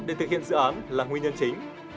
để thực hiện dự án là nguyên nhân chính